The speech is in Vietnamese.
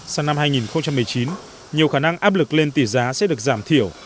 sang năm hai nghìn một mươi chín nhiều khả năng áp lực lên tỷ giá sẽ được giảm thiểu